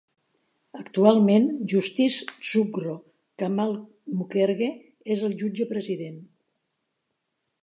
Actualment, Justice Subhro Kamal Mukherjee és el jutge president.